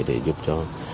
để giúp cho